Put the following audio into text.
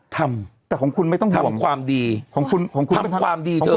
ทำแต่ของคุณไม่ต้องทำความดีของคุณของคุณทำความดีเถอะ